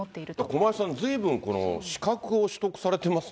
駒井さん、ずいぶん資格を取得されてますね。